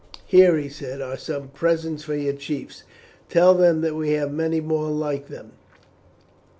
"Here," he said, "are some presents for your chiefs, tell them that we have many more like them."